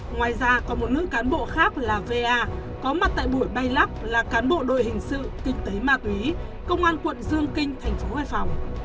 ngoài ra có một nữ cán bộ khác là v a có mặt tại buổi bay lắc là cán bộ đội hình sự kinh tế ma túy công an quận dương kinh tp hoài phòng